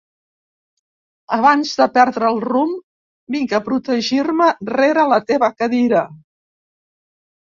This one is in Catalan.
Abans de perdre el rumb vinc a protegir-me rere la teva cadira.